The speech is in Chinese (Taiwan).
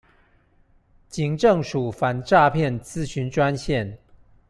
警政署反詐騙諮詢專線